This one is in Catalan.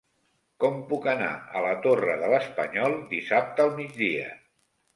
Com puc anar a la Torre de l'Espanyol dissabte al migdia?